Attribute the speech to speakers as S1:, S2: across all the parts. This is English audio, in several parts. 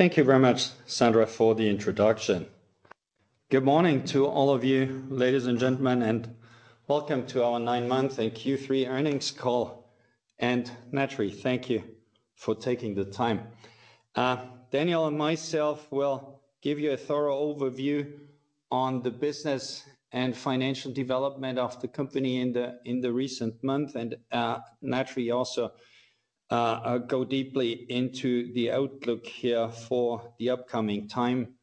S1: Thank you very much, Sandra, for the introduction. Good morning to all of you, ladies and gentlemen, and welcome to our Nine-Month and Q3 Earnings Call. And naturally, thank you for taking the time. Daniel and myself will give you a thorough overview on the business and financial development of the company in the, in the recent month, and, naturally also, go deeply into the outlook here for the upcoming time.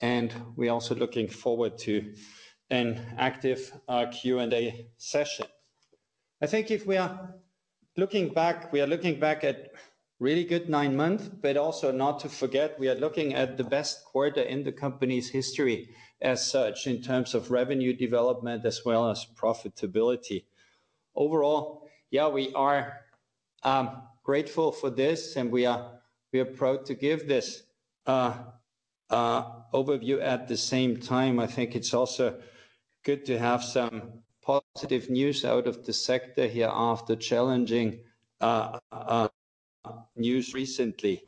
S1: And we're also looking forward to an active, Q&A session. I think if we are looking back, we are looking back at really good nine months, but also not to forget, we are looking at the best quarter in the company's history as such, in terms of revenue development as well as profitability. Overall, yeah, we are grateful for this, and we are, we are proud to give this, overview. At the same time, I think it's also good to have some positive news out of the sector here after challenging news recently.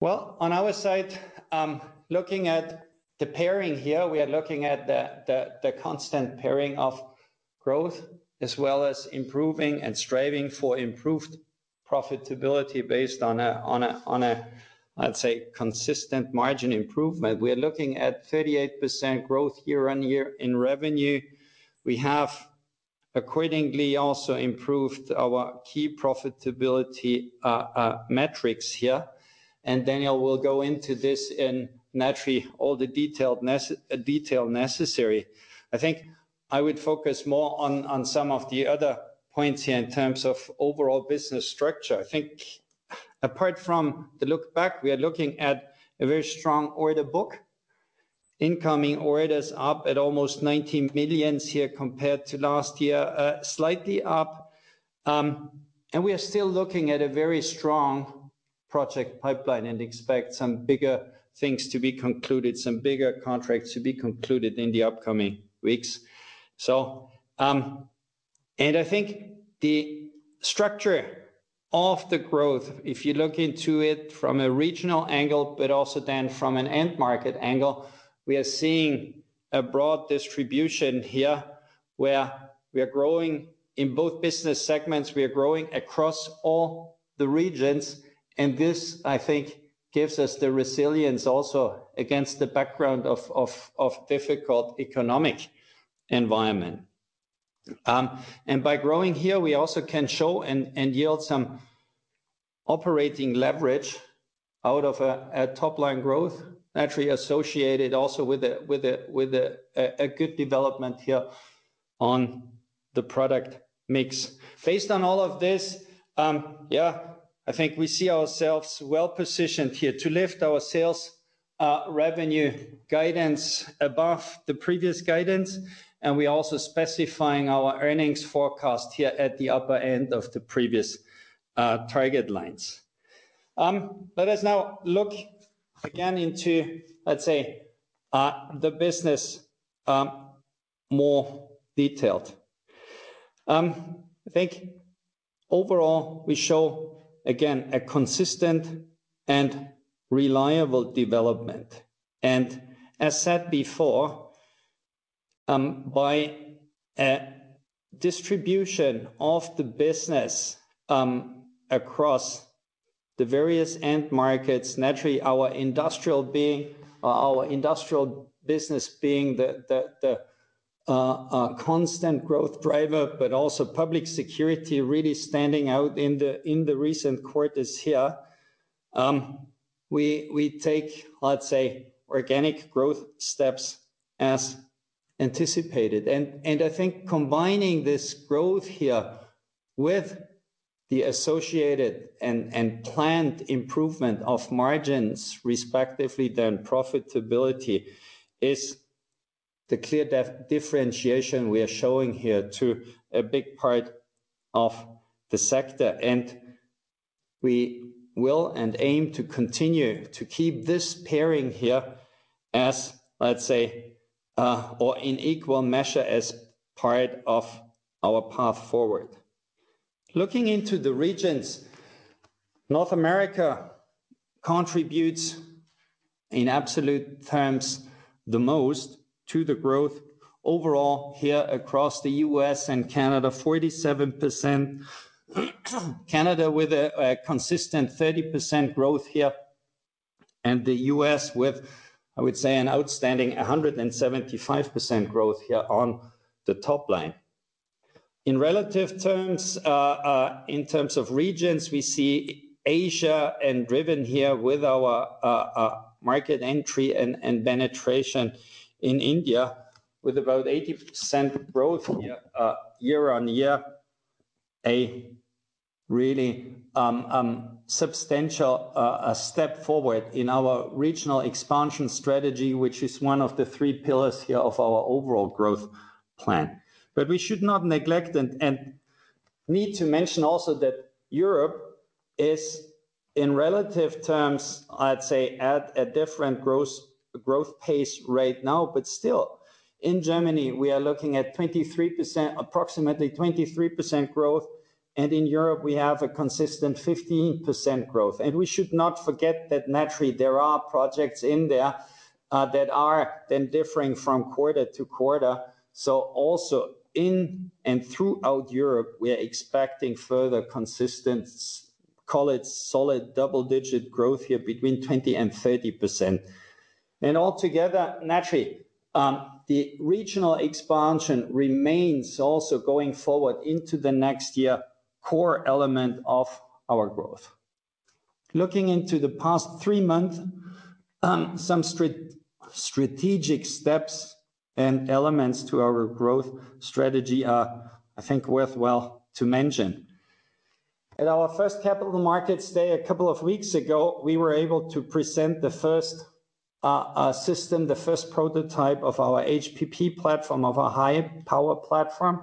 S1: Well, on our side, looking at the pairing here, we are looking at the constant pairing of growth, as well as improving and striving for improved profitability based on a, let's say, consistent margin improvement. We are looking at 38% growth year-on-year in revenue. We have accordingly also improved our key profitability metrics here, and Daniel will go into this in naturally, all the detailed detail necessary. I think I would focus more on some of the other points here in terms of overall business structure. I think apart from the look back, we are looking at a very strong order book. Incoming orders up at almost 19 million here compared to last year, slightly up. And we are still looking at a very strong project pipeline and expect some bigger things to be concluded, some bigger contracts to be concluded in the upcoming weeks. So, I think the structure of the growth, if you look into it from a regional angle, but also then from an end market angle, we are seeing a broad distribution here, where we are growing in both business segments. We are growing across all the regions, and this, I think, gives us the resilience also against the background of a difficult economic environment. And by growing here, we also can show and yield some operating leverage out of a top-line growth, naturally associated also with a good development here on the product mix. Based on all of this, yeah, I think we see ourselves well-positioned here to lift our sales revenue guidance above the previous guidance, and we're also specifying our earnings forecast here at the upper end of the previous target lines. Let us now look again into, let's say, the business more detailed. I think overall, we show again a consistent and reliable development, and as said before, by a distribution of the business across the various end markets, naturally, our industrial business being the constant growth driver, but also public security really standing out in the recent quarters here. We take, let's say, organic growth steps as anticipated. I think combining this growth here with the associated and planned improvement of margins, respectively, then profitability, is the clear differentiation we are showing here to a big part of the sector, and we will aim to continue to keep this pairing here as, let's say, or in equal measure, as part of our path forward. Looking into the regions, North America contributes, in absolute terms, the most to the growth overall here across the U.S. and Canada, 47%. Canada with a consistent 30% growth here, and the U.S. with, I would say, an outstanding 175% growth here on the top line. In relative terms, in terms of regions, we see Asia, and driven here with our, market entry and, and penetration in India, with about 80% growth here, year-on-year. A really, substantial, step forward in our regional expansion strategy, which is one of the three pillars here of our overall growth plan. But we should not neglect and, and need to mention also that Europe is, in relative terms, I'd say, at a different growth, growth pace right now. But still, in Germany, we are looking at 23%, approximately 23% growth, and in Europe, we have a consistent 15% growth. And we should not forget that naturally, there are projects in there, that are then differing from quarter to quarter. So also in and throughout Europe, we are expecting further consistent, call it solid double-digit growth here, between 20% and 30%. Altogether, naturally, the regional expansion remains also going forward into the next year, core element of our growth. Looking into the past three months, some strategic steps and elements to our growth strategy are, I think, worth well to mention. At our first Capital Markets Day, a couple of weeks ago, we were able to present the first system, the first prototype of our HPP platform, of our High Power Platform,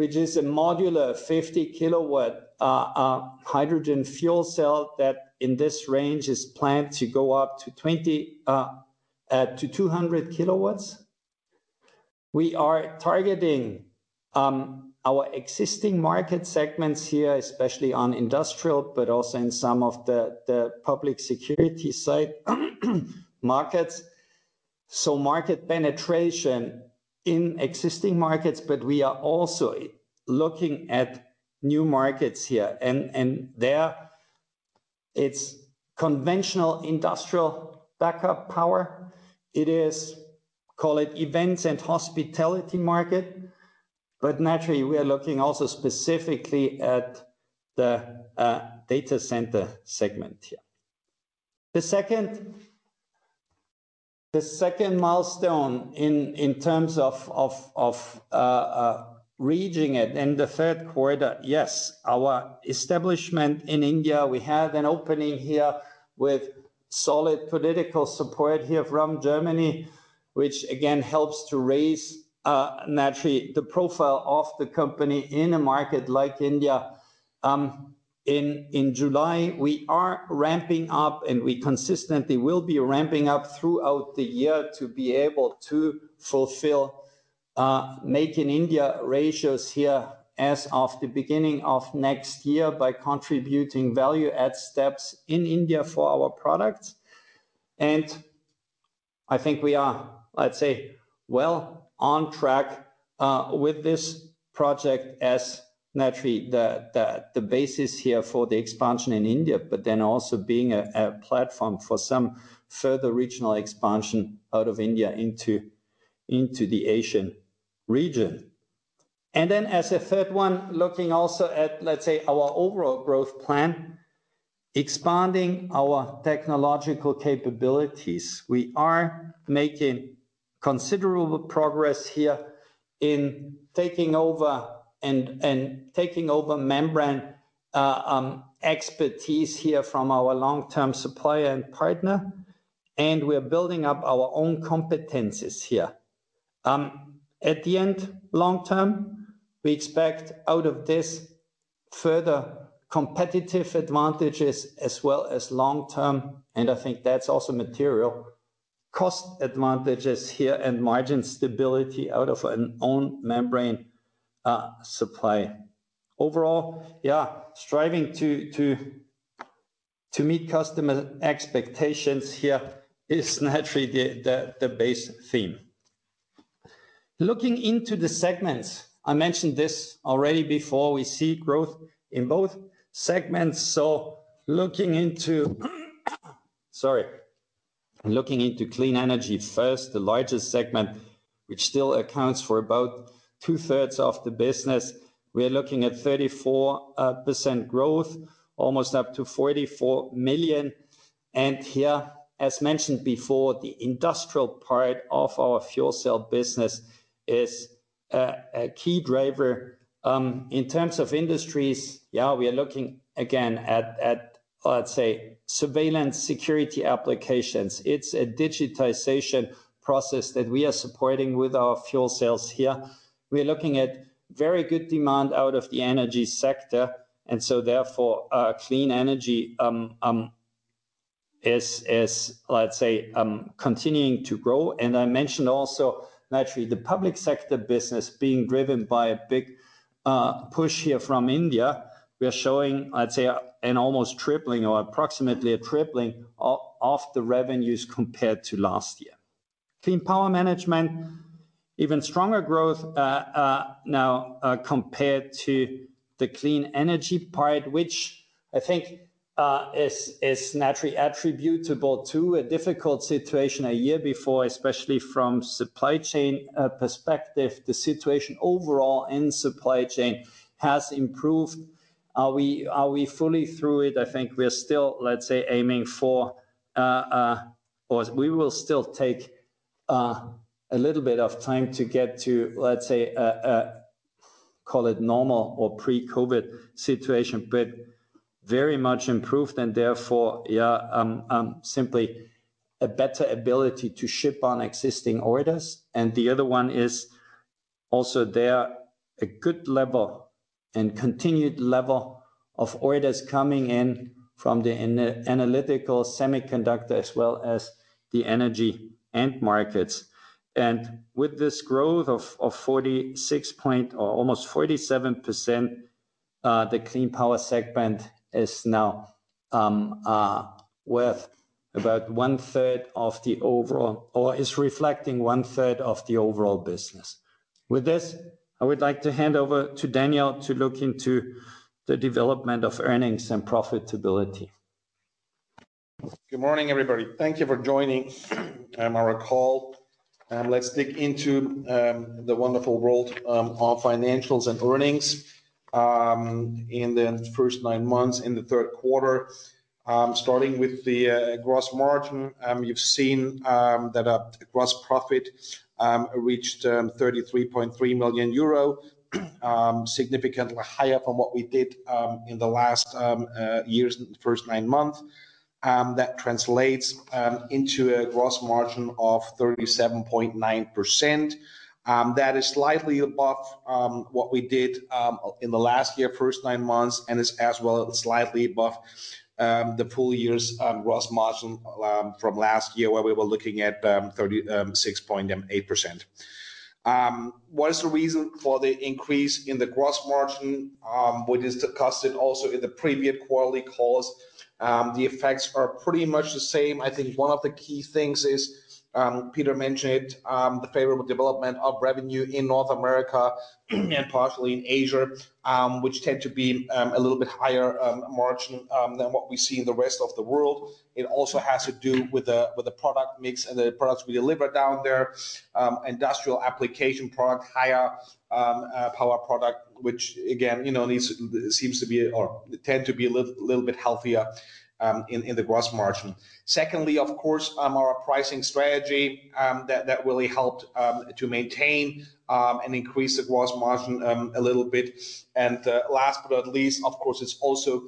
S1: which is a modular 50 kW hydrogen fuel cell, that in this range is planned to go up to 20-200 kW. We are targeting our existing market segments here, especially on industrial, but also in some of the public security side, markets. So market penetration in existing markets, but we are also looking at new markets here, and there it's conventional industrial backup power. It is, call it, events and hospitality market, but naturally, we are looking also specifically at the data center segment here. The second milestone in terms of reaching it in the third quarter, yes, our establishment in India, we had an opening here with solid political support here from Germany, which again, helps to raise naturally the profile of the company in a market like India. In July, we are ramping up, and we consistently will be ramping up throughout the year to be able to fulfill Make in India ratios here as of the beginning of next year by contributing value add steps in India for our products. And I think we are, I'd say, well on track with this project as naturally, the basis here for the expansion in India, but then also being a platform for some further regional expansion out of India into the Asian region. And then as a third one, looking also at, let's say, our overall growth plan, expanding our technological capabilities. We are making considerable progress here in taking over membrane expertise here from our long-term supplier and partner, and we are building up our own competencies here. At the end, long term, we expect out of this further competitive advantages as well as long term, and I think that's also material, cost advantages here and margin stability out of an own membrane supply. Overall, yeah, striving to meet customer expectations here is naturally the base theme. Looking into the segments, I mentioned this already before, we see growth in both segments. So looking into, sorry. Looking into Clean Energy first, the largest segment, which still accounts for about 2/3 of the business, we are looking at 34% growth, almost up to 44 million. And here, as mentioned before, the industrial part of our fuel cell business is a key driver. In terms of industries, yeah, we are looking again at, let's say, surveillance security applications. It's a digitization process that we are supporting with our fuel cells here. We're looking at very good demand out of the energy sector, and so therefore, Clean Energy is, let's say, continuing to grow. I mentioned also, naturally, the public sector business being driven by a big push here from India. We are showing, I'd say, an almost tripling or approximately a tripling of the revenues compared to last year. Clean Power Management, even stronger growth now compared to the Clean Energy part, which I think is naturally attributable to a difficult situation a year before, especially from supply chain perspective. The situation overall in supply chain has improved. Are we fully through it? I think we are still, let's say, aiming for. Or we will still take a little bit of time to get to, let's say, a call it normal or pre-COVID situation, but very much improved and therefore, yeah, simply a better ability to ship on existing orders. The other one is also there, a good level and continued level of orders coming in from the analytical semiconductor, as well as the energy end markets. With this growth of 46% or almost 47%, the Clean Power segment is now worth about one third of the overall, or is reflecting one third of the overall business. With this, I would like to hand over to Daniel to look into the development of earnings and profitability.
S2: Good morning, everybody. Thank you for joining our call. Let's dig into the wonderful world of financials and earnings. In the first nine months, in the third quarter, starting with the gross margin, you've seen that our gross profit reached 33.3 million euro, significantly higher from what we did in the last year's first nine months. That translates into a gross margin of 37.9%. That is slightly above what we did in the last year, first nine months, and is as well slightly above the full year's gross margin from last year, where we were looking at 36.8%. What is the reason for the increase in the gross margin? Which is discussed also in the previous quarterly calls. The effects are pretty much the same. I think one of the key things is, Peter mentioned, the favorable development of revenue in North America and partially in Asia, which tend to be a little bit higher margin than what we see in the rest of the world. It also has to do with the product mix and the products we deliver down there. Industrial application product, higher power product, which again, you know, seems to be or tend to be a little bit healthier in the gross margin. Secondly, of course, our pricing strategy that really helped to maintain and increase the gross margin a little bit. And, last but not least, of course, it's also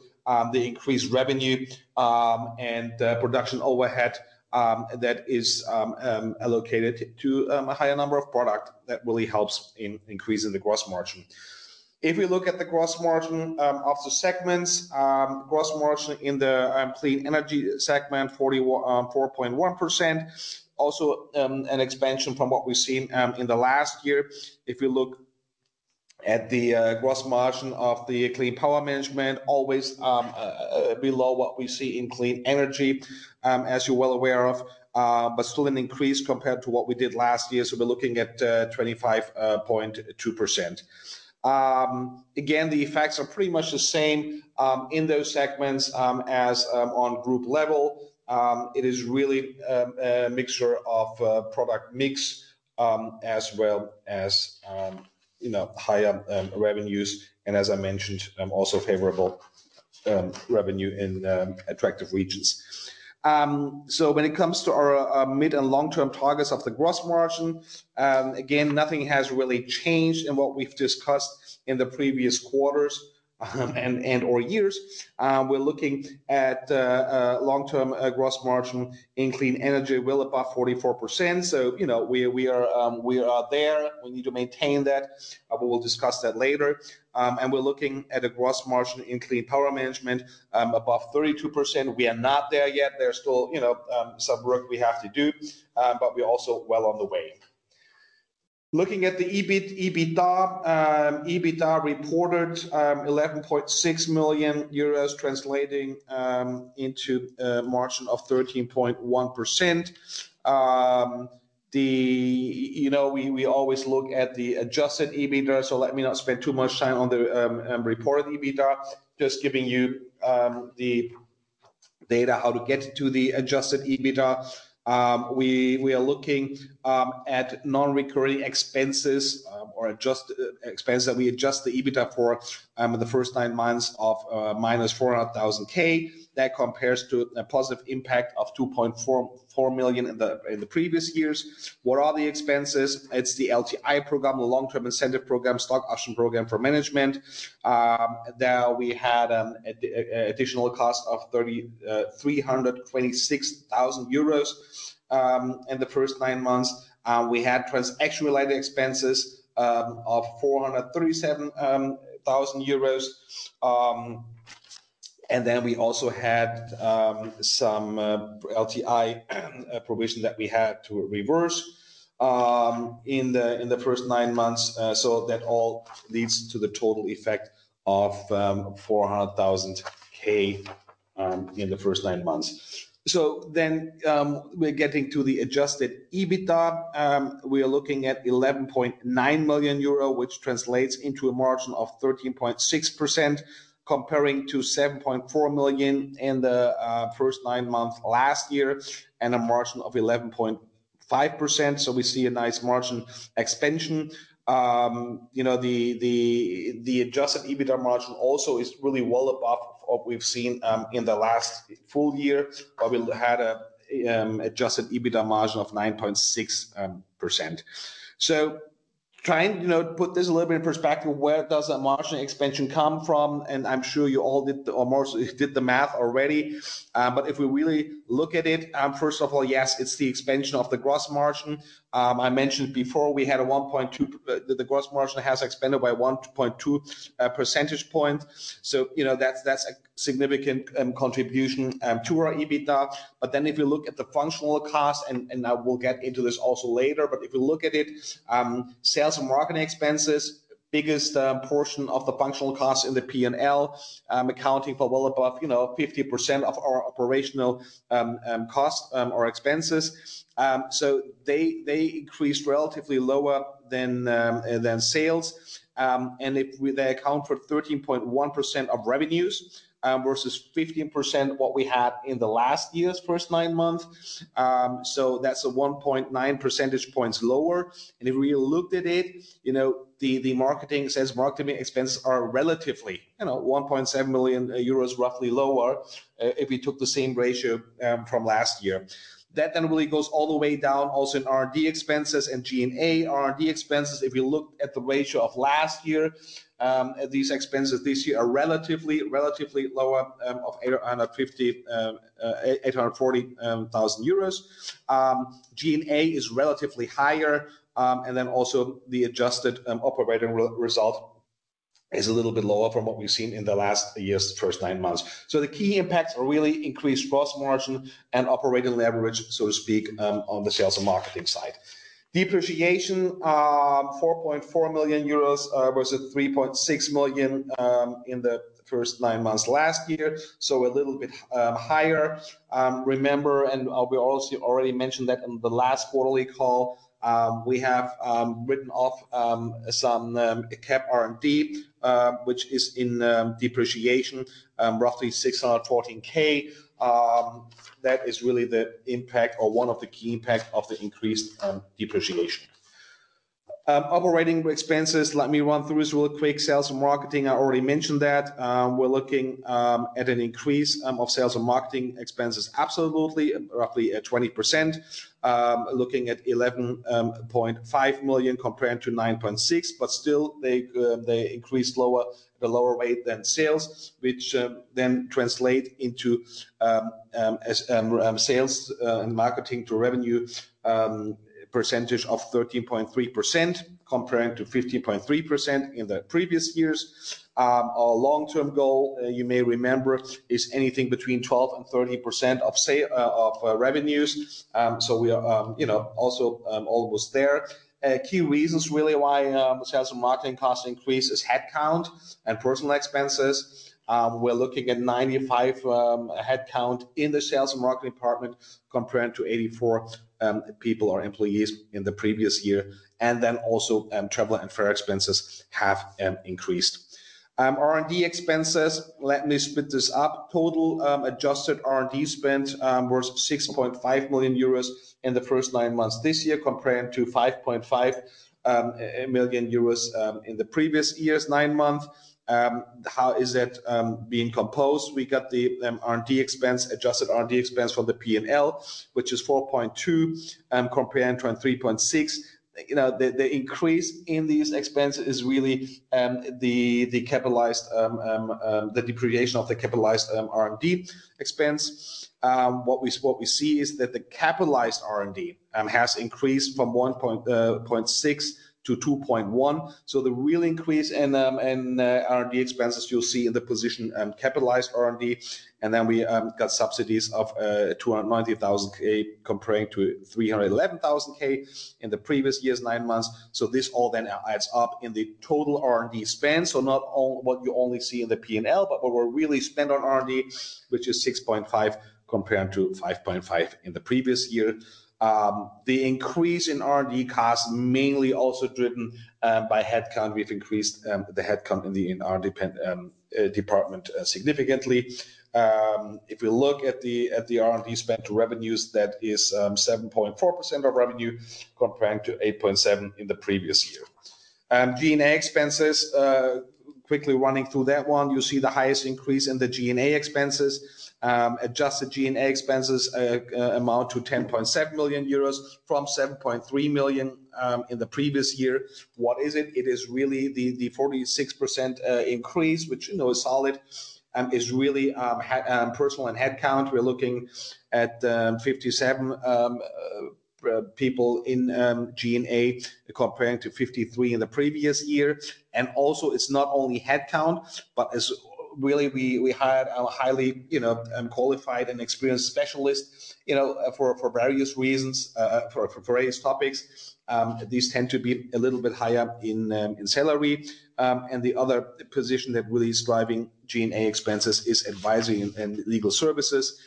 S2: the increased revenue and production overhead that is allocated to a higher number of product. That really helps in increasing the gross margin. If we look at the gross margin of the segments, gross margin in the Clean Energy segment, 41.4%. Also, an expansion from what we've seen in the last year. If you look at the gross margin of the Clean Power Management, always below what we see in Clean Energy, as you're well aware of, but still an increase compared to what we did last year. So we're looking at 25.2%. Again, the effects are pretty much the same in those segments as on group level. It is really a mixture of product mix, as well as, you know, higher revenues, and as I mentioned, also favorable revenue in attractive regions. So when it comes to our mid- and long-term targets of the gross margin, again, nothing has really changed in what we've discussed in the previous quarters, and or years. We're looking at long-term gross margin in Clean Energy, well above 44%. So, you know, we are there. We need to maintain that. We will discuss that later. And we're looking at a gross margin in Clean Power Management, above 32%. We are not there yet. There's still, you know, some work we have to do, but we're also well on the way. Looking at the EBIT, EBITDA. EBITDA reported 11.6 million euros, translating into a margin of 13.1%. You know, we always look at the adjusted EBITDA, so let me not spend too much time on the reported EBITDA. Just giving you the data, how to get to the adjusted EBITDA. We are looking at non-recurring expenses, or expenses that we adjust the EBITDA for, in the first nine months of -400,000. That compares to a positive impact of 2.44 million in the previous years. What are the expenses? It's the LTI program, the long-term incentive program, stock option program for management. There we had a additional cost of 326,000 euros in the first nine months. We had transaction-related expenses of 437,000 euros. And then we also had some LTI provision that we had to reverse in the first nine months. So that all leads to the total effect of 400,000 in the first nine months. So then, we're getting to the adjusted EBITDA. We are looking at 11.9 million euro, which translates into a margin of 13.6%, comparing to 7.4 million in the first nine months last year, and a margin of 11.5%. So we see a nice margin expansion. You know, the adjusted EBITDA margin also is really well above what we've seen in the last full year, where we had an adjusted EBITDA margin of 9.6%. Trying, you know, to put this a little bit in perspective, where does that margin expansion come from? And I'm sure you all did, or most did the math already. But if we really look at it, first of all, yes, it's the expansion of the gross margin. I mentioned before, we had a 1.2—the gross margin has expanded by 1.2 percentage point. So, you know, that's a significant contribution to our EBITDA. But then if you look at the functional costs, and I will get into this also later, but if you look at it, sales and marketing expenses, biggest portion of the functional costs in the P&L, accounting for well above, you know, 50% of our operational costs or expenses. So they increased relatively lower than sales. And they account for 13.1% of revenues versus 15% what we had in the last year's first nine months. So that's 1.9 percentage points lower. And if we looked at it, you know, the marketing expenses are relatively, you know, 1.7 million euros roughly lower if we took the same ratio from last year. That then really goes all the way down also in R&D expenses and G&A. R&D expenses, if you look at the ratio of last year, these expenses this year are relatively lower of 840,000 euros. G&A is relatively higher, and then also the adjusted operating result is a little bit lower from what we've seen in the last year's first nine months. So the key impacts are really increased gross margin and operating leverage, so to speak, on the sales and marketing side. Depreciation, 4.4 million euros versus 3.6 million in the first nine months last year, so a little bit higher. Remember, and we also already mentioned that in the last quarterly call, we have written off some CapEx R&D, which is in depreciation, roughly 614K. That is really the impact or one of the key impact of the increased depreciation. Operating expenses, let me run through this really quick. Sales and marketing, I already mentioned that. We're looking at an increase of sales and marketing expenses absolutely, roughly at 20%. Looking at 11.5 million compared to 9.6 million, but still they they increased lower, a lower rate than sales, which then translate into as sales and marketing to revenue percentage of 13.3%, comparing to 15.3% in the previous years. Our long-term goal, you may remember, is anything between 12% and 13% of sales revenues. So we are, you know, also almost there. Key reasons, really, why sales and marketing costs increase is headcount and personnel expenses. We're looking at 95 headcount in the sales and marketing department, comparing to 84 people or employees in the previous year. Then also, travel and fair expenses have increased. R&D expenses, let me split this up. Total, adjusted R&D spend, was 6.5 million euros in the first nine months this year, comparing to 5.5 million euros in the previous year's nine months. How is that being composed? We got the R&D expense, adjusted R&D expense for the P&L, which is 4.2, comparing to 3.6. You know, the increase in these expenses is really the depreciation of the capitalized R&D expense. What we see is that the capitalized R&D has increased from 1.6 to 2.1. So the real increase in R&D expenses, you'll see in the position capitalized R&D, and then we got subsidies of 290,000, comparing to 311,000 in the previous year's nine months. So this all then adds up in the total R&D spend. Not all what you only see in the P&L, but what we're really spend on R&D, which is 6.5, comparing to 5.5 in the previous year. The increase in R&D costs, mainly also driven by headcount. We've increased the headcount in the R&D department significantly. If we look at the R&D spend to revenues, that is 7.4% of revenue, comparing to 8.7% in the previous year. G&A expenses, quickly running through that one, you see the highest increase in the G&A expenses. Adjusted G&A expenses amount to 10.7 million euros from 7.3 million in the previous year. What is it? It is really the 46% increase, which, you know, is solid, is really personal and headcount. We're looking at 57 people in G&A, comparing to 53 in the previous year. And also, it's not only headcount, but it's really we hired a highly, you know, qualified and experienced specialist, you know, for various reasons, for various topics. These tend to be a little bit higher in salary. And the other position that really is driving G&A expenses is advising and legal services.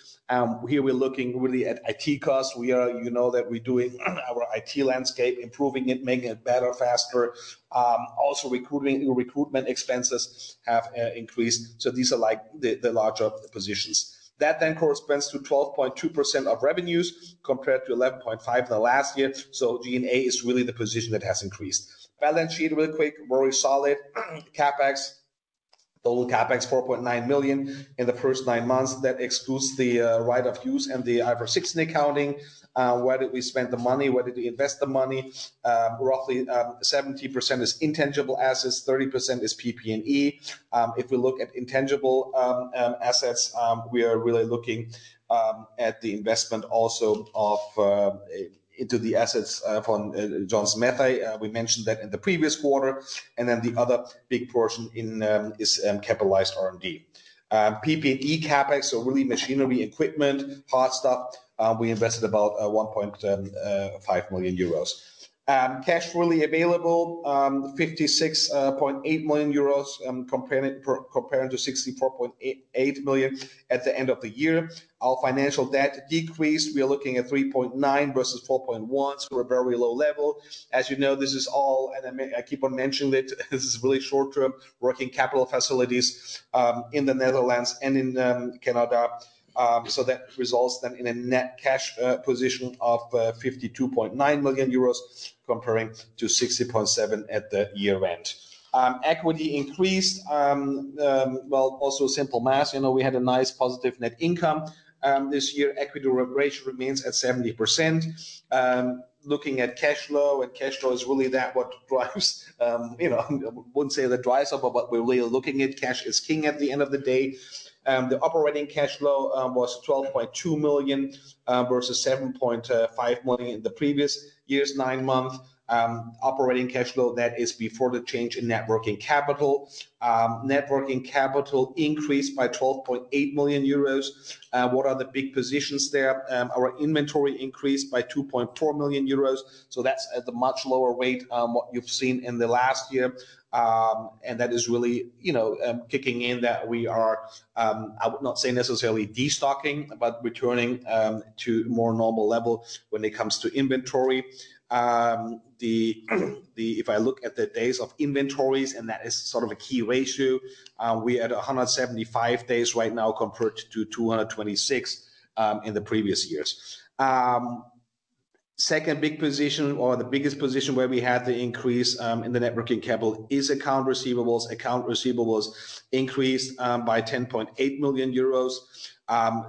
S2: Here we're looking really at IT costs. We are. You know that we're doing our IT landscape, improving it, making it better, faster. Also recruitment expenses have increased, so these are like the larger positions. That then corresponds to 12.2% of revenues compared to 11.5% the last year. So G&A is really the position that has increased. Balance sheet, really quick, very solid. CapEx. Total CapEx 4.9 million in the first nine months. That excludes the right-of-use and the IFRS 16 accounting. Where did we spend the money? Where did we invest the money? Roughly, 70% is intangible assets, 30% is PP&E. If we look at intangible assets, we are really looking at the investment also into the assets from Johnson Matthey. We mentioned that in the previous quarter, and then the other big portion is capitalized R&D. PP&E CapEx, so really machinery, equipment, hard stuff. We invested about 1.5 million euros. Cash fully available, 56.8 million euros, comparing to 64.8 million at the end of the year. Our financial debt decreased. We are looking at 3.9 million versus 4.1 million, so a very low level. As you know, this is all, and I keep on mentioning it, this is really short-term working capital facilities in the Netherlands and in Canada. So that results then in a net cash position of 52.9 million euros, comparing to 60.7 million at the year end. Equity increased, well, also simple math. You know, we had a nice positive net income this year. Equity ratio remains at 70%. Looking at cash flow, and cash flow is really that what drives, you know, I wouldn't say that drives up, but we're really looking at cash is king at the end of the day. The operating cash flow was 12.2 million versus 7.5 million in the previous year's nine months. Operating cash flow, that is before the change in net working capital. Net working capital increased by 12.8 million euros. What are the big positions there? Our inventory increased by 2.4 million euros, so that's at a much lower rate than what you've seen in the last year. And that is really, you know, kicking in, that we are, I would not say necessarily destocking, but returning to more normal level when it comes to inventory. If I look at the days of inventories, and that is sort of a key ratio, we are at 175 days right now, compared to 226 in the previous years. Second big position or the biggest position where we had the increase in the net working capital is accounts receivable. Accounts receivable increased by 10.8 million euros.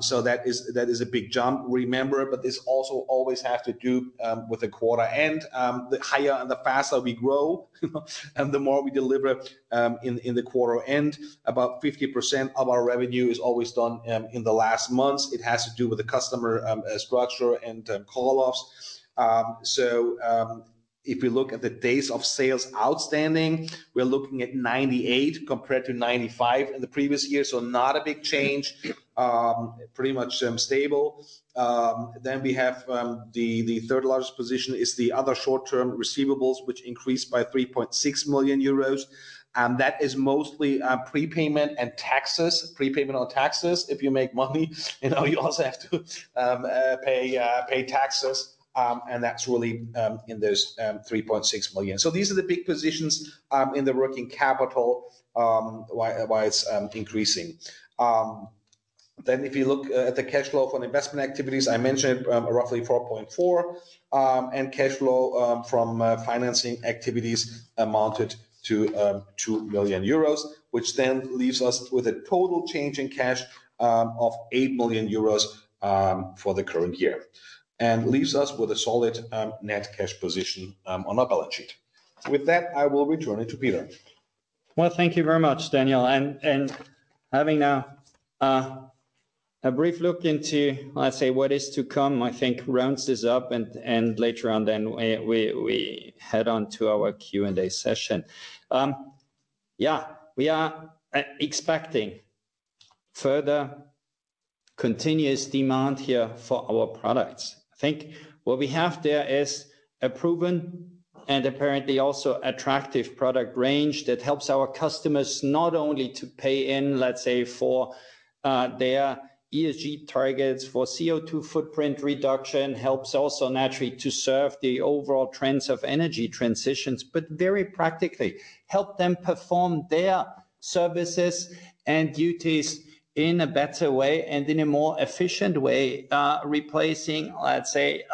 S2: So that is, that is a big jump, remember, but this also always have to do with the quarter. The higher and the faster we grow, the more we deliver in the quarter end. About 50% of our revenue is always done in the last months. It has to do with the customer structure and call-offs. So, if we look at the days of sales outstanding, we're looking at 98 compared to 95 in the previous year. So not a big change, pretty much, stable. Then we have, the third largest position is the other short-term receivables, which increased by 3.6 million euros, and that is mostly, prepayment and taxes. Prepayment on taxes. If you make money, you know, you also have to, pay, pay taxes, and that's really, in those, 3.6 million. So these are the big positions, in the working capital, why, why it's, increasing. Then if you look at the cash flow from investment activities, I mentioned roughly 4.4, and cash flow from financing activities amounted to 2 million euros, which then leaves us with a total change in cash of 8 million euros for the current year, and leaves us with a solid net cash position on our balance sheet. With that, I will return it to Peter.
S1: Well, thank you very much, Daniel. And having now a brief look into, let's say, what is to come, I think rounds this up, and later on, then we head on to our Q&A session. Yeah, we are expecting further continuous demand here for our products. I think what we have there is a proven and apparently also attractive product range that helps our customers not only to pay in, let's say, for their ESG targets, for CO2 footprint reduction, helps also naturally to serve the overall trends of energy transitions, but very practically, help them perform their services and duties in a better way and in a more efficient way, replacing, let's say,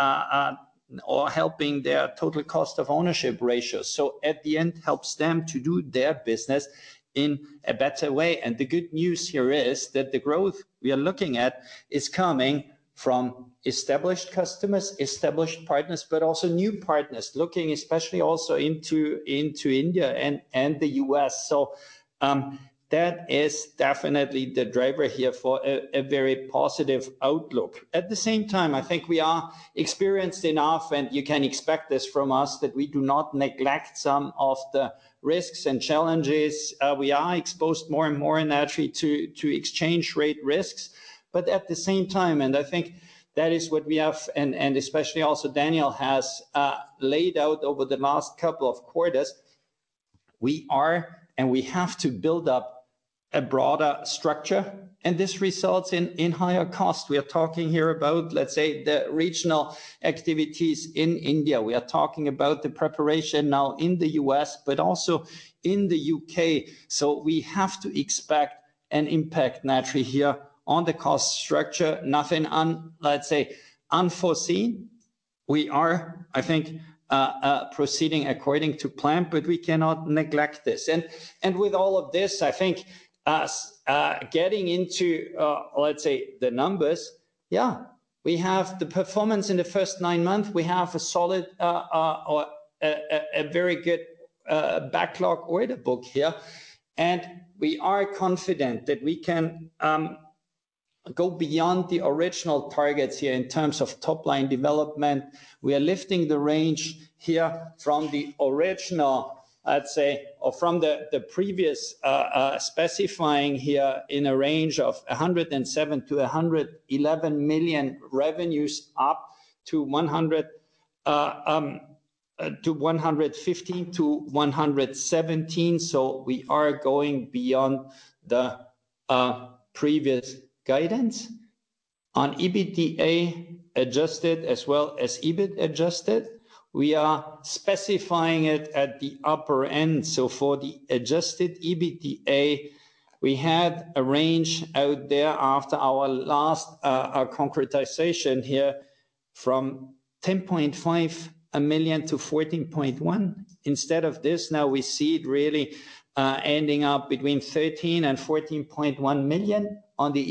S1: or helping their total cost of ownership ratios. So at the end, helps them to do their business in a better way. And the good news here is that the growth we are looking at is coming from established customers, established partners, but also new partners, looking especially also into India and the U.S. So, that is definitely the driver here for a very positive outlook. At the same time, I think we are experienced enough, and you can expect this from us, that we do not neglect some of the risks and challenges. We are exposed more and more naturally to exchange rate risks. But at the same time, and I think that is what we have, and especially also Daniel has laid out over the last couple of quarters, we are and we have to build up a broader structure, and this results in higher costs. We are talking here about, let's say, the regional activities in India. We are talking about the preparation now in the U.S., but also in the U.K. So we have to expect an impact naturally here on the cost structure. Nothing unforeseen. We are, I think, proceeding according to plan, but we cannot neglect this. And with all of this, I think us getting into, let's say, the numbers, yeah, we have the performance in the first nine months. We have a solid or a very good backlog order book here, and we are confident that we can go beyond the original targets here in terms of top-line development. We are lifting the range here from the original, I'd say, or from the previous, specifying here in a range of 107 million-111 million revenues, up to 115-117. So we are going beyond the previous guidance. On adjusted EBITDA, as well as adjusted EBIT, we are specifying it at the upper end. So for the adjusted EBITDA, we had a range out there after our last concretization here from 10.5 million to 14.1 million. Instead of this, now we see it really ending up between 13 million and 14.1 million on the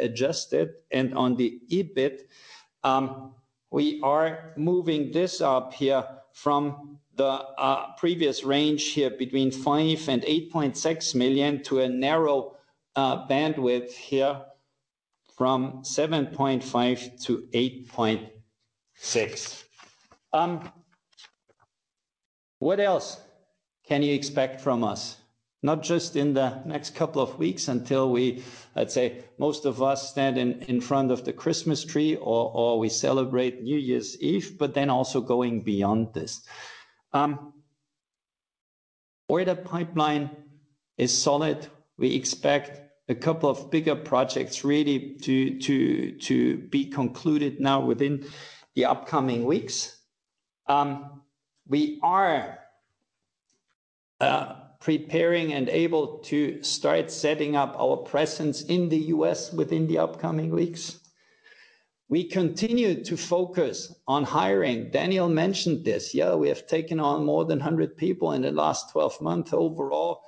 S1: adjusted EBITDA. On the EBIT, we are moving this up here from the previous range here between 5 million and 8.6 million to a narrow bandwidth here from 7.5 million-8.6 million. What else can you expect from us? Not just in the next couple of weeks until we—I'd say, most of us stand in front of the Christmas tree or we celebrate New Year's Eve, but then also going beyond this. Order pipeline is solid. We expect a couple of bigger projects really to be concluded now within the upcoming weeks. We are preparing and able to start setting up our presence in the U.S. within the upcoming weeks. We continue to focus on hiring. Daniel mentioned this. Yeah, we have taken on more than 100 people in the last 12 months. Overall,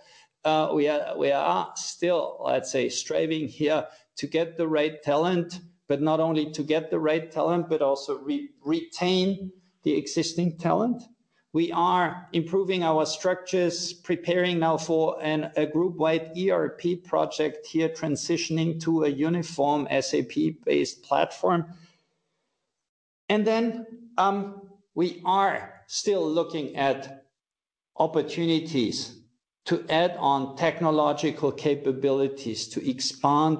S1: we are still, let's say, striving here to get the right talent, but not only to get the right talent, but also retain the existing talent. We are improving our structures, preparing now for a group-wide ERP project here, transitioning to a uniform SAP-based platform. And then, we are still looking at opportunities to add on technological capabilities to expand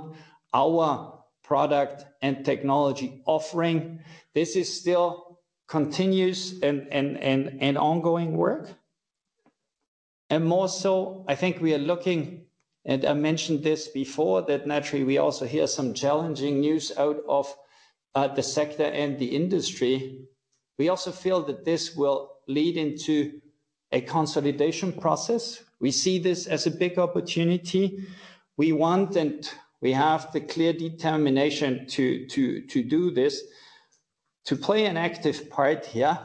S1: our product and technology offering. This is still continuous and ongoing work. And more so, I think we are looking, and I mentioned this before, that naturally, we also hear some challenging news out of the sector and the industry. We also feel that this will lead into a consolidation process. We see this as a big opportunity. We want, and we have the clear determination to do this, to play an active part here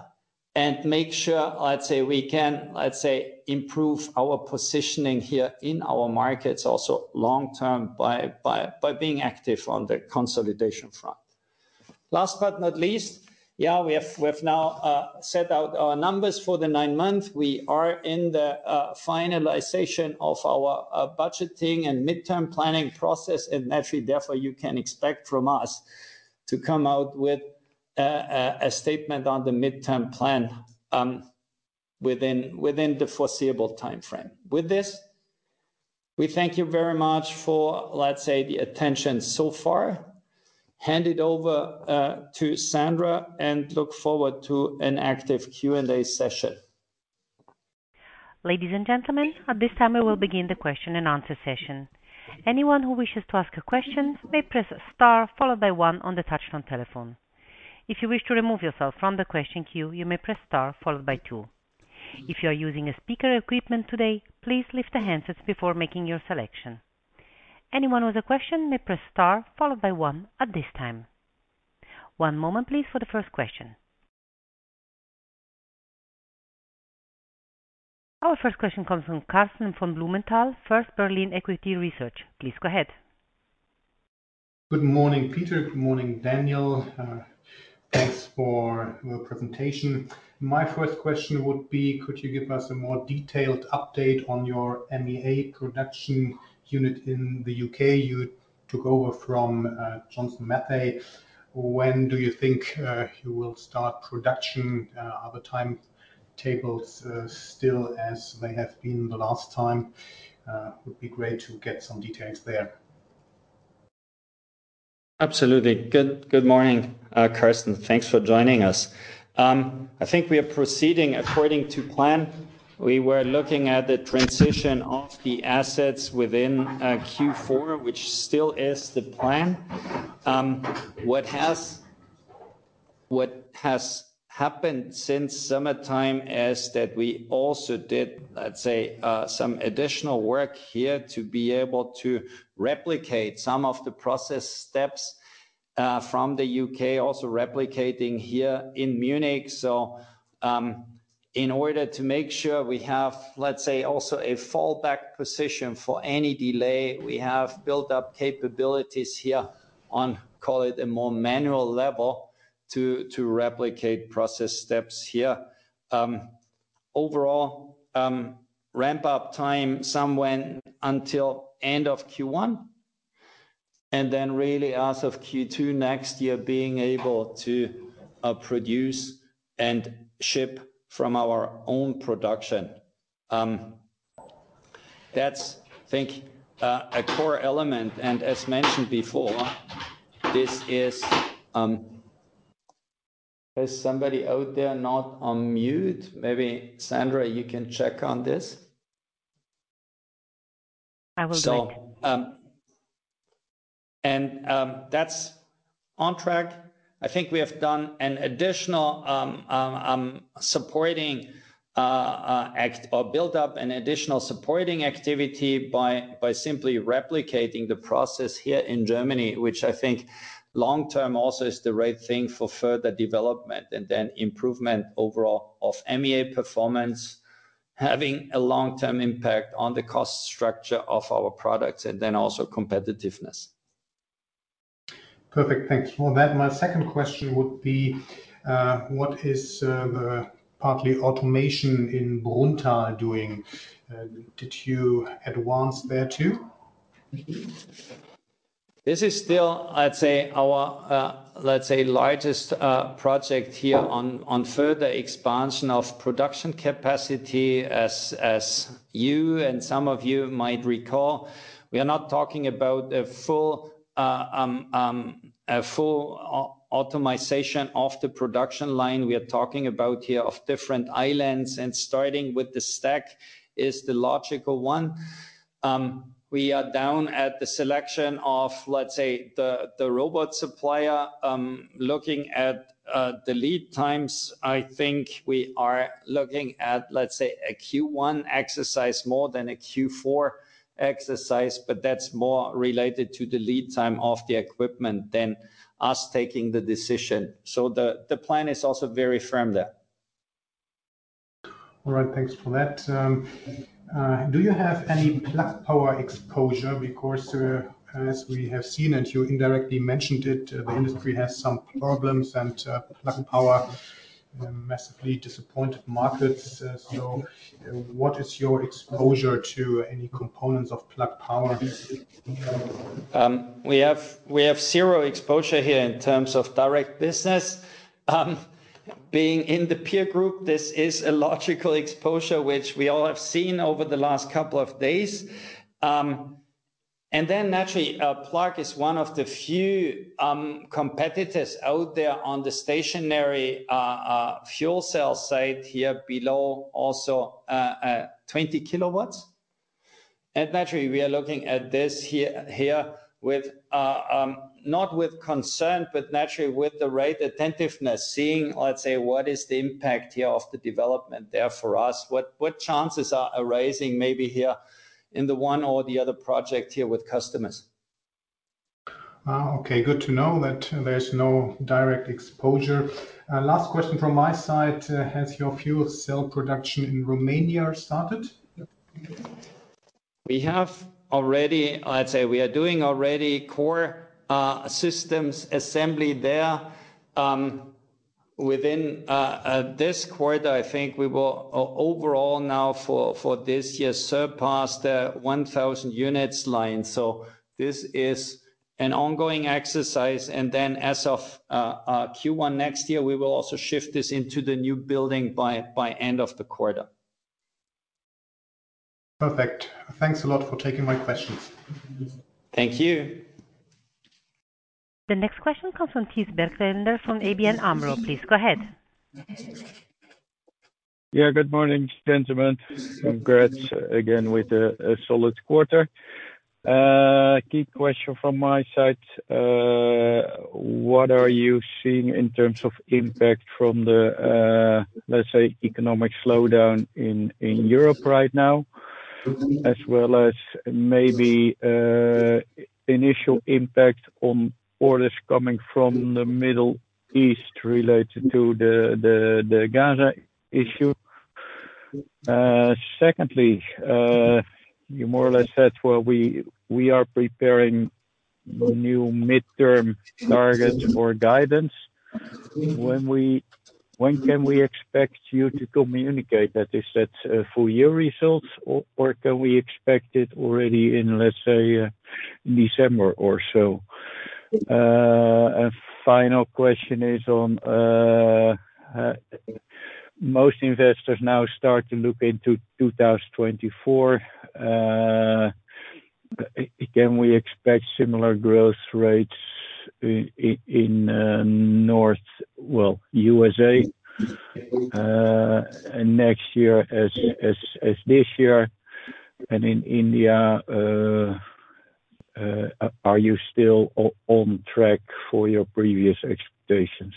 S1: and make sure, let's say, we can, let's say, improve our positioning here in our markets, also long term, by being active on the consolidation front. Last but not least, yeah, we have now set out our numbers for the nine months. We are in the finalization of our budgeting and midterm planning process, and naturally, therefore, you can expect from us to come out with a statement on the midterm plan within the foreseeable timeframe. With this, we thank you very much for, let's say, the attention so far. Hand it over to Sandra, and look forward to an active Q&A session.
S3: Ladies and gentlemen, at this time, we will begin the question and answer session. Anyone who wishes to ask a question may press star, followed by one on the touchtone telephone. If you wish to remove yourself from the question queue, you may press star, followed by two. If you are using speaker equipment today, please lift the handsets before making your selection. Anyone with a question may press star, followed by one at this time. One moment, please, for the first question. Our first question comes from Karsten von Blumenthal, First Berlin Equity Research. Please go ahead.
S4: Good morning, Peter. Good morning, Daniel. Thanks for your presentation. My first question would be: Could you give us a more detailed update on your MEA production unit in the U.K. you took over from, Johnson Matthey? When do you think you will start production? Are the timetables still as they have been the last time? It would be great to get some details there.
S1: Absolutely. Good morning, Karsten. Thanks for joining us. I think we are proceeding according to plan. We were looking at the transition of the assets within Q4, which still is the plan. What has happened since summertime is that we also did, let's say, some additional work here to be able to replicate some of the process steps from the U.K., also replicating here in Munich. So in order to make sure we have, let's say, also a fallback position for any delay, we have built up capabilities here on, call it, a more manual level to replicate process steps here. Overall, ramp-up time somewhen until end of Q1, and then really as of Q2 next year, being able to produce and ship from our own production. That's, I think, a core element, and as mentioned before, this is. Is somebody out there not on mute? Maybe Sandra, you can check on this.
S3: I will check.
S1: That's on track. I think we have done an additional supporting act or built up an additional supporting activity by simply replicating the process here in Germany, which I think long-term also is the right thing for further development, and then improvement overall of MEA performance, having a long-term impact on the cost structure of our products and then also competitiveness.
S4: Perfect. Thanks for that. My second question would be, what is the partly automation in Brunnthal doing? Did you advance there, too?
S1: This is still, I'd say, our, let's say, largest project here on, on further expansion of production capacity. As, as you and some of you might recall, we are not talking about a full automation of the production line. We are talking about here of different islands, and starting with the stack is the logical one. We are down at the selection of, let's say, the, the robot supplier. Looking at, the lead times, I think we are looking at, let's say, a Q1 exercise more than a Q4 exercise, but that's more related to the lead time of the equipment than us taking the decision. So the plan is also very firm there.
S4: All right. Thanks for that. Do you have any Plug Power exposure? Because, as we have seen, and you indirectly mentioned it, the industry has some problems, and, Plug Power massively disappointed markets. So what is your exposure to any components of Plug Power?
S1: We have, we have zero exposure here in terms of direct business. Being in the peer group, this is a logical exposure, which we all have seen over the last couple of days. And then naturally, Plug is one of the few, competitors out there on the stationary, fuel cell site here below also, 20 kW. And naturally, we are looking at this here, here with, not with concern, but naturally with the right attentiveness, seeing, let's say, what is the impact here of the development there for us? What, what chances are arising maybe here in the one or the other project here with customers?
S4: Okay, good to know that there's no direct exposure. Last question from my side: Has your fuel cell production in Romania started?
S1: We have already... I'd say we are doing already core, systems assembly there. Within this quarter, I think we will overall now for, for this year, surpass the 1,000 units line. So this is an ongoing exercise, and then as of Q1 next year, we will also shift this into the new building by, by end of the quarter.
S4: Perfect. Thanks a lot for taking my questions.
S1: Thank you.
S3: The next question comes from Thijs Berkelder from ABN AMRO. Please, go ahead.
S5: Yeah, good morning, gentlemen. Congrats again with a solid quarter. Key question from my side: What are you seeing in terms of impact from the, let's say, economic slowdown in Europe right now, as well as maybe initial impact on orders coming from the Middle East related to the Gaza issue? Secondly, you more or less said, well, we are preparing a new midterm target for guidance. When can we expect you to communicate that? Is that full year results, or can we expect it already in, let's say, December or so? A final question is on most investors now start to look into 2024. Can we expect similar growth rates in North... Well, USA next year as this year and in India, are you still on track for your previous expectations?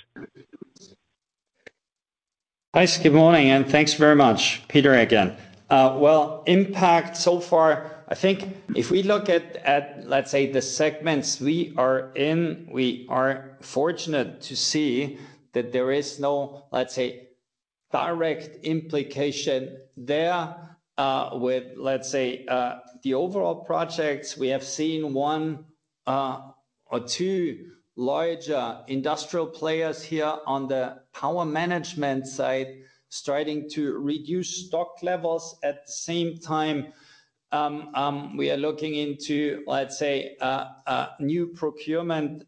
S1: Thanks. Good morning, and thanks very much, Peter again. Well, impact so far, I think if we look at, let's say, the segments we are in, we are fortunate to see that there is no, let's say, direct implication there, with, let's say, the overall projects, we have seen one or two larger industrial players here on the power management side starting to reduce stock levels. At the same time, we are looking into, let's say, a new procurement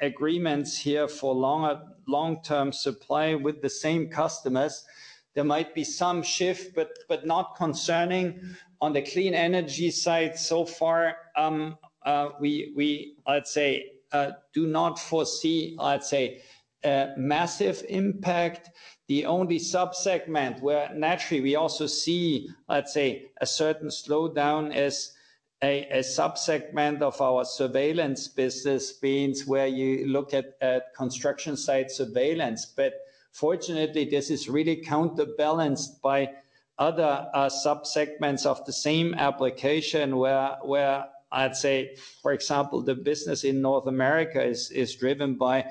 S1: agreements here for longer long-term supply with the same customers. There might be some shift, but not concerning. On the Clean Energy side, so far, we, I'd say, do not foresee, I'd say, a massive impact. The only sub-segment where naturally we also see, let's say, a certain slowdown is a sub-segment of our surveillance business, being where you look at construction site surveillance. But fortunately, this is really counterbalanced by other sub-segments of the same application, where I'd say, for example, the business in North America is driven by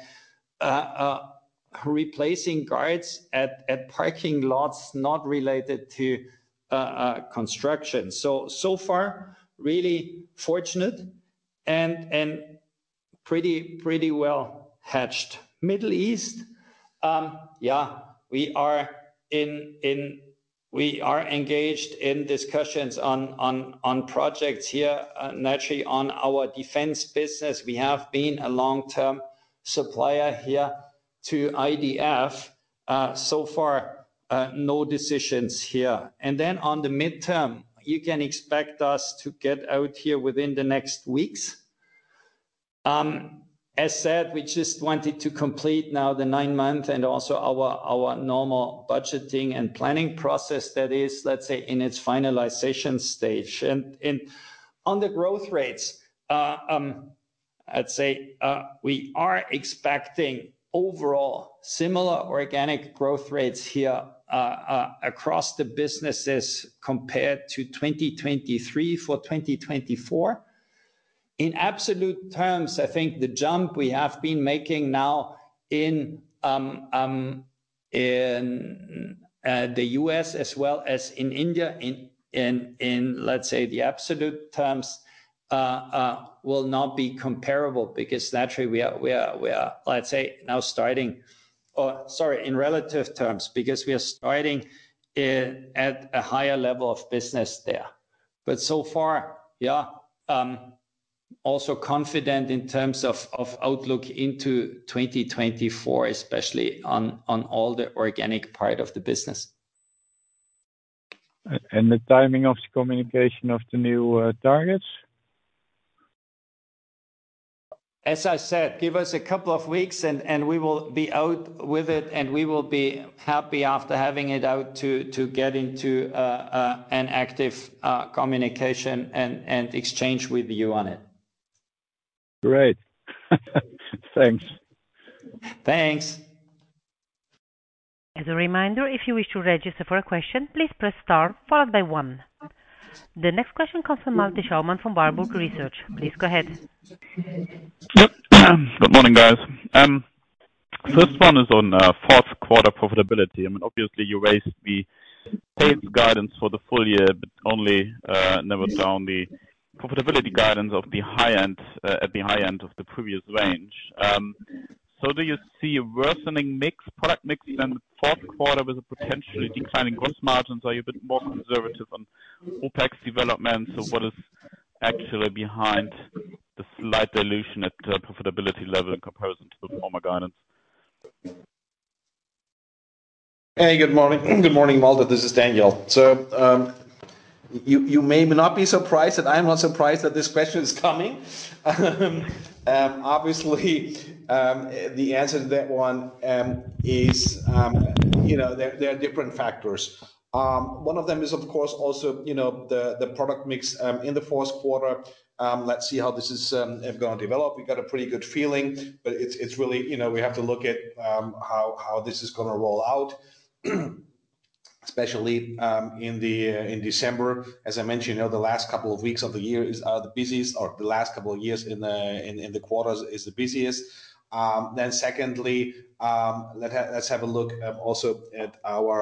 S1: replacing guards at parking lots, not related to construction. So far, really fortunate and pretty well hedged. Middle East, we are engaged in discussions on projects here. Naturally, on our defense business, we have been a long-term supplier here to IDF. So far, no decisions here. And then on the midterm, you can expect us to get orders here within the next weeks. As said, we just wanted to complete now the nine-month and also our normal budgeting and planning process that is, let's say, in its finalization stage. And on the growth rates, I'd say, we are expecting overall similar organic growth rates here, across the businesses compared to 2023 for 2024. In absolute terms, I think the jump we have been making now in the U.S. as well as in India, in, let's say, the absolute terms, will not be comparable, because naturally we are, we are, let's say, now starting—sorry, in relative terms, because we are starting at a higher level of business there. But so far, yeah, also confident in terms of, of outlook into 2024, especially on, on all the organic part of the business.
S5: The timing of the communication of the new targets?
S1: As I said, give us a couple of weeks, and we will be out with it, and we will be happy after having it out to get into an active communication and exchange with you on it.
S5: Great. Thanks.
S1: Thanks.
S3: As a reminder, if you wish to register for a question, please press star followed by one. The next question comes from Malte Schaumann from Warburg Research. Please go ahead.
S6: Good morning, guys. First one is on fourth quarter profitability. I mean, obviously, you raised the sales guidance for the full year, but only narrowed down the profitability guidance to the high end of the previous range. So do you see a worsening mix, product mix than the fourth quarter with a potentially declining gross margins? Are you a bit more conservative on OPEX development, so what is actually behind the slight dilution at profitability level in comparison to the former guidance?
S2: Hey, good morning. Good morning, Malte. This is Daniel. So, you may not be surprised, and I am not surprised that this question is coming. Obviously, the answer to that one is, you know, there are different factors. One of them is, of course, also, you know, the product mix in the fourth quarter. Let's see how this is have gone developed. We got a pretty good feeling, but it's really, you know, we have to look at how this is going to roll out, especially in December. As I mentioned, you know, the last couple of weeks of the year is the busiest or the last couple of years in the quarters is the busiest. Then secondly, let's have a look also at our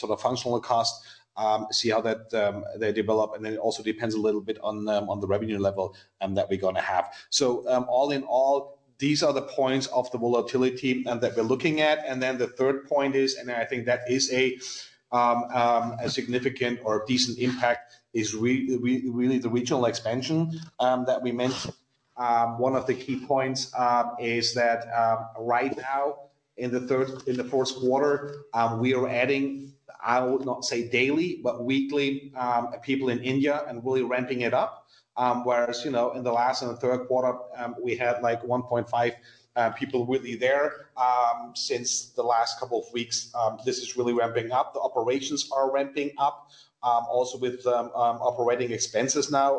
S2: sort of functional costs, see how they develop, and then it also depends a little bit on the revenue level that we're gonna have. So, all in all, these are the points of the volatility that we're looking at. And then the third point is, and I think that is a significant or a decent impact, is really the regional expansion that we mentioned. One of the key points is that right now, in the fourth quarter, we are adding, I would not say daily, but weekly, people in India and really ramping it up. Whereas, you know, in the last and the third quarter, we had, like, 1.5 people really there. Since the last couple of weeks, this is really ramping up. The operations are ramping up, also with operating expenses now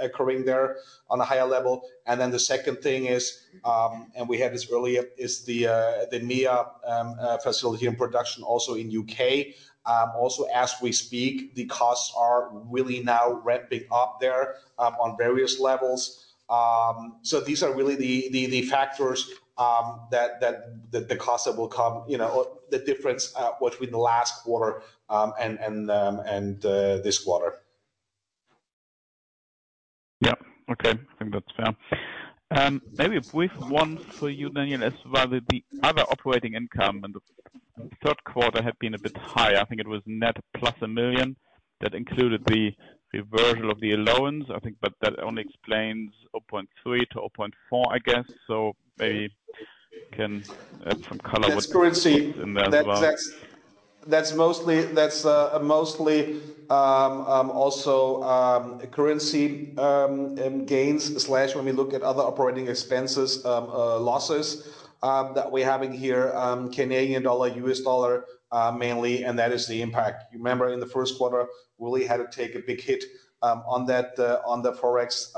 S2: occurring there on a higher level. And then the second thing is, and we had this earlier, is the MEA facility and production also in U.K. Also, as we speak, the costs are really now ramping up there on various levels. So these are really the factors that the costs that will come, you know, or the difference between the last quarter and this quarter....
S6: Yeah. Okay, I think that's fair. Maybe a brief one for you, Daniel, as well as the other operating income in the third quarter have been a bit higher. I think it was net plus 1 million that included the, the version of the allowance, I think, but that only explains 0.3 million-0.4 million, I guess. So maybe you can add some color with-
S2: That's currency-
S6: in there as well.
S2: That's mostly also currency gains slash when we look at other operating expenses, losses that we're having here, Canadian dollar, U.S. dollar, mainly, and that is the impact. You remember in the first quarter, we really had to take a big hit on that on the Forex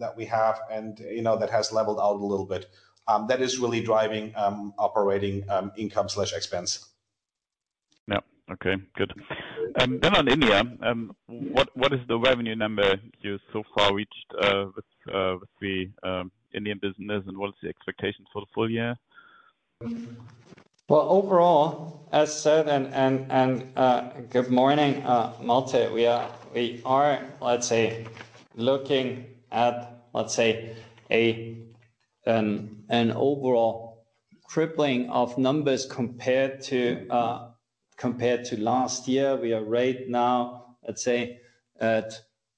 S2: that we have, and, you know, that has leveled out a little bit. That is really driving operating income slash expense.
S6: Yeah. Okay, good. Then on India, what is the revenue number you so far reached with the Indian business, and what is the expectation for the full year?
S1: Well, overall, as said, good morning, Malte. We are looking at an overall crippling of numbers compared to last year. We are right now at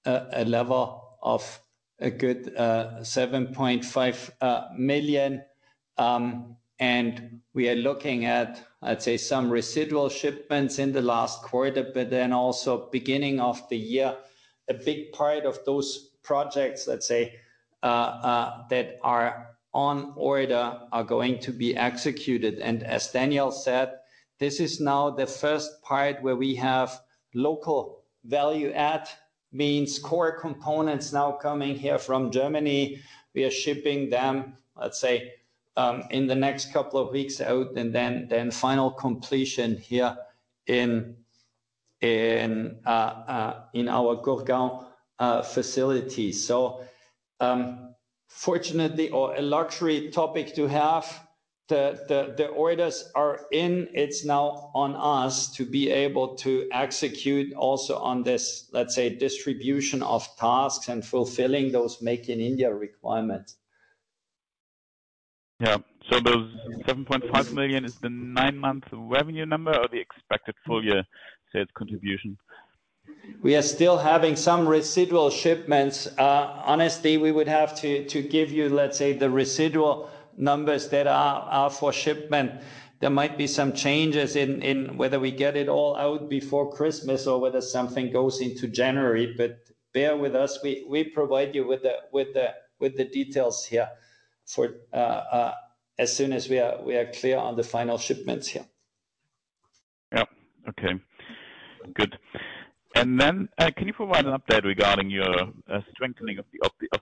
S1: a level of a good 7.5 million. And we are looking at, I'd say, some residual shipments in the last quarter, but then also beginning of the year, a big part of those projects that are on order are going to be executed. And as Daniel said, this is now the first part where we have local value add, means core components now coming here from Germany. We are shipping them in the next couple of weeks out, and then final completion here in our Gurgaon facility. So, fortunately, or a luxury topic to have, the orders are in. It's now on us to be able to execute also on this, let's say, distribution of tasks and fulfilling those Make in India requirements.
S6: Yeah. So those 7.5 million is the nine-month revenue number or the expected full year sales contribution?
S1: We are still having some residual shipments. Honestly, we would have to give you, let's say, the residual numbers that are for shipment. There might be some changes in whether we get it all out before Christmas or whether something goes into January. But bear with us, we provide you with the details here for, as soon as we are clear on the final shipments here.
S6: Yeah. Okay, good. And then, can you provide an update regarding your strengthening of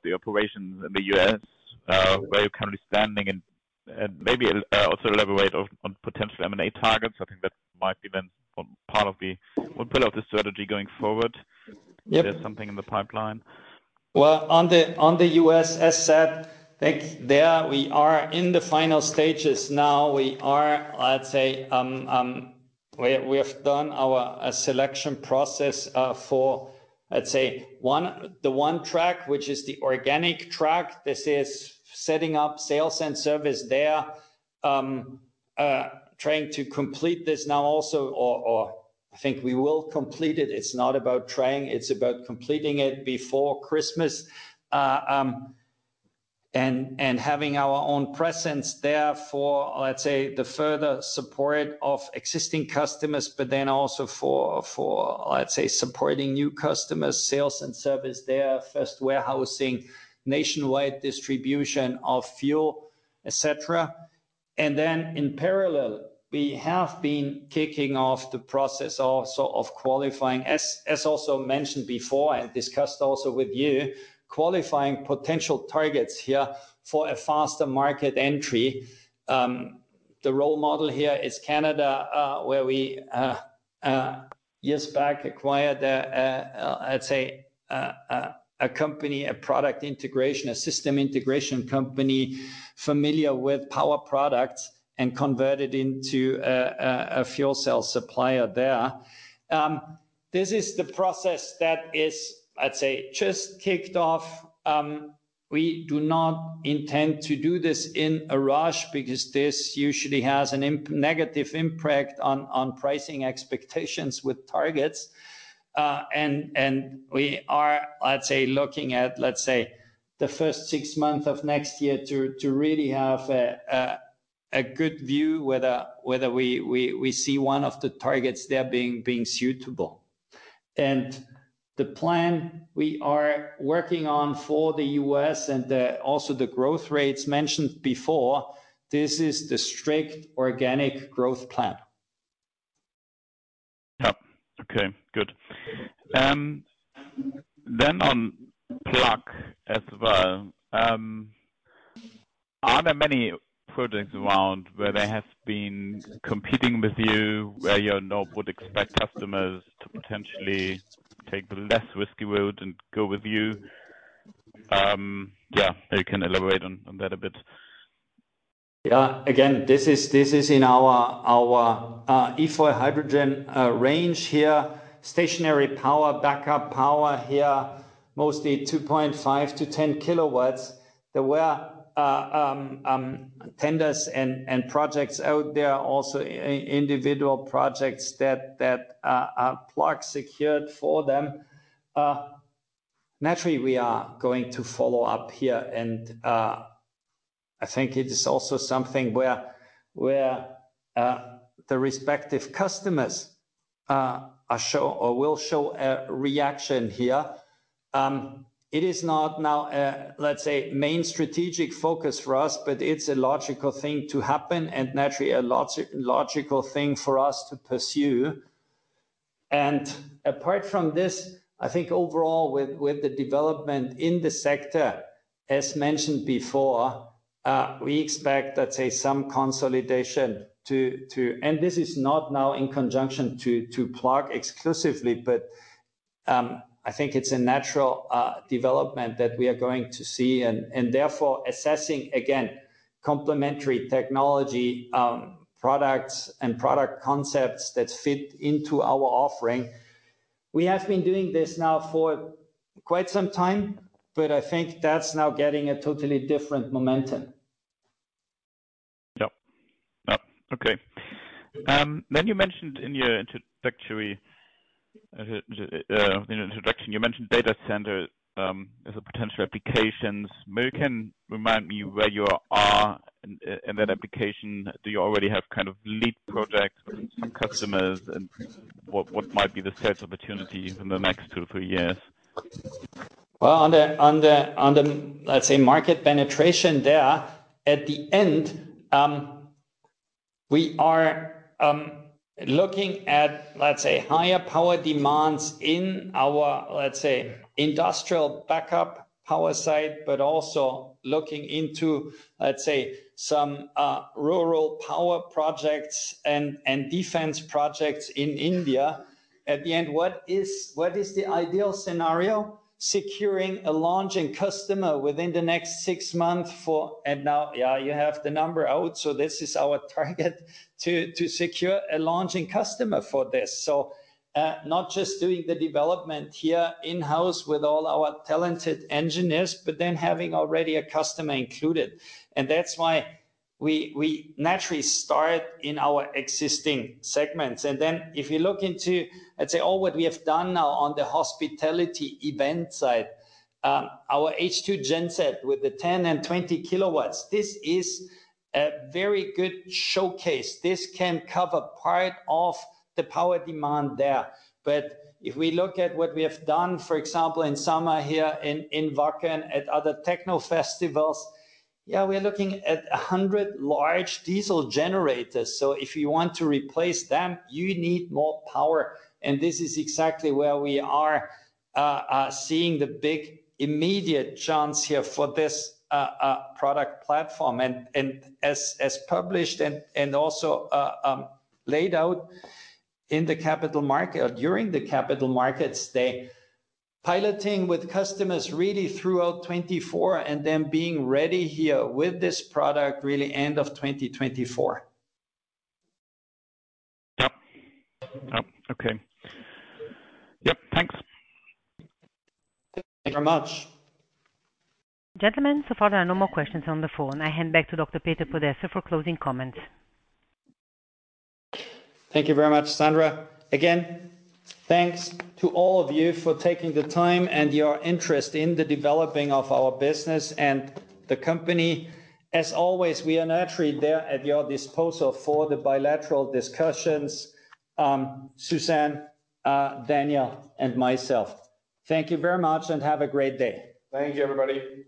S6: the operations in the U.S., where you're currently standing and maybe also elaborate on potential M&A targets? I think that might be then one part of the strategy going forward.
S1: Yep.
S6: There's something in the pipeline.
S1: Well, on the U.S., as said, I think there we are in the final stages now. We are, let's say, we have done our selection process for, let's say, the one track, which is the organic track. This is setting up sales and service there, trying to complete this now also, or I think we will complete it. It's not about trying, it's about completing it before Christmas. And having our own presence there for, let's say, the further support of existing customers, but then also for supporting new customers, sales and service there, first warehousing, nationwide distribution of fuel, et cetera. Then in parallel, we have been kicking off the process also of qualifying, as also mentioned before and discussed also with you, qualifying potential targets here for a faster market entry. The role model here is Canada, where we years back acquired a, let's say, a company, a product integration, a system integration company familiar with power products and converted into a fuel cell supplier there. This is the process that is, I'd say, just kicked off. We do not intend to do this in a rush because this usually has a negative impact on pricing expectations with targets. And we are, let's say, looking at, let's say, the first six months of next year to really have a good view whether we see one of the targets there being suitable. And the plan we are working on for the U.S. and also the growth rates mentioned before, this is the strict organic growth plan.
S6: Yeah. Okay, good. Then on Plug as well, are there many projects around where they have been competing with you, where you now would expect customers to potentially take the less risky road and go with you? Yeah, you can elaborate on that a bit....
S1: Yeah, again, this is in our E-fuel hydrogen range here, stationary power, backup power here, mostly 2.5 kW-10 kW. There were tenders and projects out there, also individual projects that are plug secured for them. Naturally, we are going to follow up here, and I think it is also something where the respective customers are show or will show a reaction here. It is not now, let's say, main strategic focus for us, but it's a logical thing to happen and naturally, a logical thing for us to pursue. Apart from this, I think overall with the development in the sector, as mentioned before, we expect, let's say, some consolidation to and this is not now in conjunction to Plug exclusively, but I think it's a natural development that we are going to see, and therefore, assessing, again, complementary technology, products and product concepts that fit into our offering. We have been doing this now for quite some time, but I think that's now getting a totally different momentum.
S6: Yeah. Yeah. Okay. Then you mentioned in your introduction data center as a potential application. Maybe you can remind me where you are in that application. Do you already have kind of lead projects, customers, and what might be the first opportunity in the next two to three years?
S1: Well, on the, let's say, market penetration there, at the end, we are looking at, let's say, higher power demands in our, let's say, industrial backup power site, but also looking into, let's say, some rural power projects and defense projects in India. At the end, what is the ideal scenario? Securing a launching customer within the next six months for... And now, yeah, you have the number out, so this is our target to secure a launching customer for this. So, not just doing the development here in-house with all our talented engineers, but then having already a customer included. And that's why we naturally start in our existing segments. And then if you look into, let's say, all what we have done now on the hospitality event side, our H2Genset with the 10 and 20 kW, this is a very good showcase. This can cover part of the power demand there. But if we look at what we have done, for example, in summer here in Wacken, at other techno festivals, yeah, we're looking at 100 large diesel generators. So if you want to replace them, you need more power, and this is exactly where we are seeing the big immediate chance here for this product platform. And as published and also laid out in the Capital Markets Day, piloting with customers really throughout 2024, and then being ready here with this product, really end of 2024.
S6: Yep. Yep. Okay. Yep, thanks.
S1: Thank you very much.
S3: Gentlemen, so far there are no more questions on the phone. I hand back to Dr. Peter Podesser for closing comments.
S1: Thank you very much, Sandra. Again, thanks to all of you for taking the time and your interest in the developing of our business and the company. As always, we are naturally there at your disposal for the bilateral discussions, Susan, Daniel, and myself. Thank you very much and have a great day.
S2: Thank you, everybody.